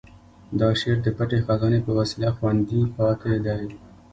دا شعر د پټې خزانې په وسیله خوندي پاتې دی.